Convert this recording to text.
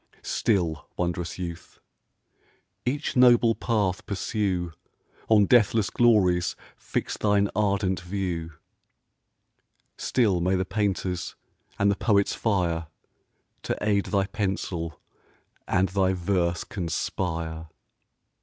Still, wond'rous youth! each noble path pursue, On deathless glories fix thine ardent view: Still may the painter's and the poet's fire To aid thy pencil, and thy verse conspire!